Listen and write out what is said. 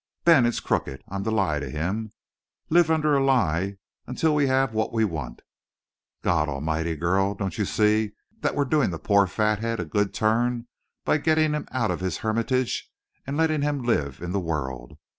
"Ben, it's crooked! I'm to lie to him live a lie until we have what we want!" "God A'mighty, girl! Don't you see that we'd be doing the poor fathead a good turn by getting him out of his hermitage and letting him live in the world?